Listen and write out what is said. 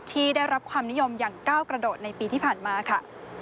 ที่ได้รับความนิยมอย่างก้าวกระโดดในปีที่ผ่านมาค่ะ